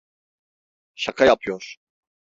Şaka yapıyor.